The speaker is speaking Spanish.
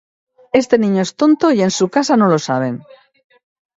Este niño es tonto y en su casa no lo saben